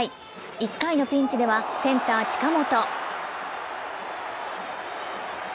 １回のピンチではセンター・近本。